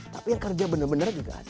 tapi yang kerja benar benar juga ada